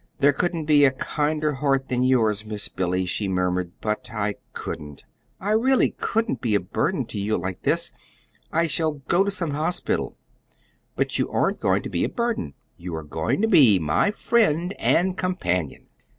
"There couldn't be a kinder heart than yours, Miss Billy," she murmured, "but I couldn't I really couldn't be a burden to you like this. I shall go to some hospital." "But you aren't going to be a burden. You are going to be my friend and companion."